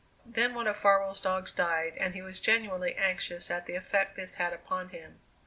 Then one of Farwell's dogs died and he was genuinely anxious at the effect this had upon him.